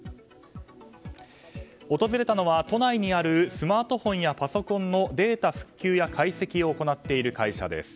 訪れたのは都内にあるスマートフォンやパソコンのデータ復旧や解析を行っている会社です。